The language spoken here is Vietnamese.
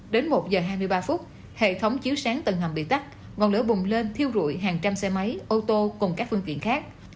đến một giờ hai mươi ba phút hệ thống chiếu sáng tầng hầm bị tắt ngọn lửa bùng lên thiêu rụi hàng trăm xe máy ô tô cùng các phương tiện khác